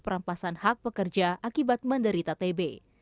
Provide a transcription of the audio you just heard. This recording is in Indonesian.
perampasan hak pekerja akibat menderita tb